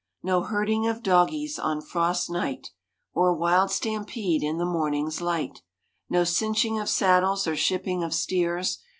No herding of dogies on frost night, Or wild stampede in the morning's light. No cinching of saddles, or shipping of steers.